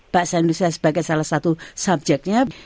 bahasa indonesia sebagai salah satu subjeknya